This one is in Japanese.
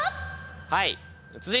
はい。